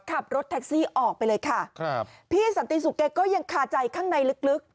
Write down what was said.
ขับรถแท็กซี่ออกไปเลยค่ะครับพี่สันติสุขแกก็ยังคาใจข้างในลึกลึก